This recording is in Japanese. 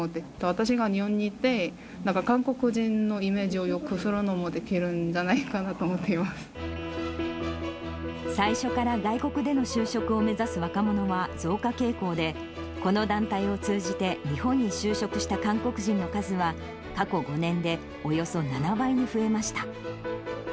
私が日本に行って、韓国人のイメージをよくするのもできるんじゃないかなと思ってい最初から外国での就職を目指す若者は増加傾向で、この団体を通じて、日本に就職した韓国人の数は、過去５年でおよそ７倍に増えました。